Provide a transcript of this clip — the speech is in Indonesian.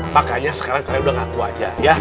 makanya sekarang kalian udah ngaku aja